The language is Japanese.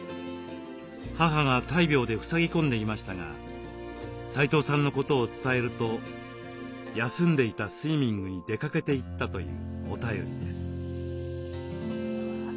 母が大病でふさぎ込んでいましたが齋藤さんのことを伝えると休んでいたスイミングに出かけて行ったというお便りです。